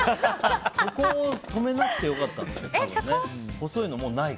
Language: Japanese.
ここを止めなくて良かったんですよね。